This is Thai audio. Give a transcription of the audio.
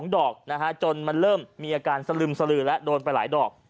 ดอกนะฮะจนมันเริ่มมีอาการสลึมสลือแล้วโดนไปหลายดอก